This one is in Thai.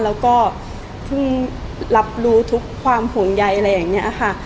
แล้วก็เพิ่งรับรู้ทุกความห่วงใยอะไรอย่างนี้ค่ะ